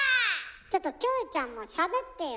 ちょっとキョエちゃんもしゃべってよ。